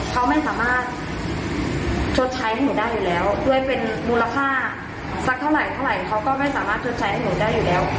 เขาไม่สามารถชดใช้ให้หนูได้อยู่แล้วด้วยเป็นมูลค่าสักเท่าไหร่เท่าไหร่เขาก็ไม่สามารถชดใช้ให้หนูได้อยู่แล้ว